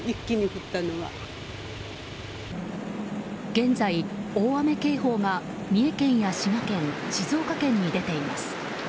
現在、大雨警報が三重県や滋賀県静岡県に出ています。